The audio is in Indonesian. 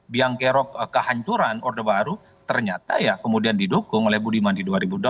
biang kerok kehancuran orde baru ternyata ya kemudian didukung oleh budiman di dua ribu dua puluh empat